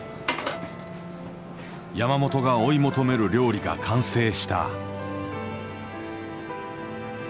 山本が追い求める料理が完成した。